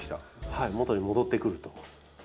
はい元に戻ってくると。